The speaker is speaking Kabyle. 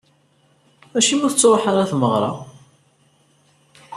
Acimi ur tettruḥu ara ɣer tmeɣra?